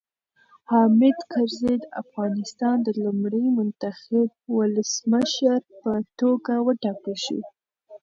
حامد کرزی د افغانستان د لومړي منتخب ولسمشر په توګه وټاکل شو.